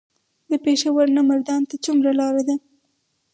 د پېښور نه مردان ته څومره لار ده؟